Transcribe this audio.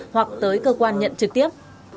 hoặc tới cơ quan nhận trực tiếp